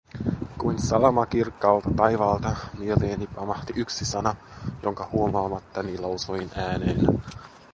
Kuin salama kirkkaalta taivaalta, mieleeni pamahti yksi sana, jonka huomaamattani lausuin ääneen: